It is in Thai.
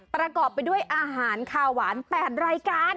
ประกอบไปด้วยอาหารคาวหวาน๘รายการ